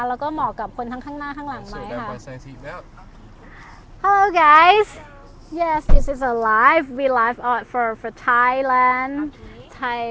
แล้วก็เหมาะกับคนทั้งข้างหน้าข้างหลังเลย